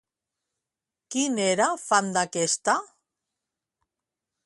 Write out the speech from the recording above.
Qui n'era fan d'aquesta?